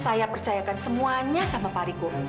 saya percayakan semuanya sama pak riko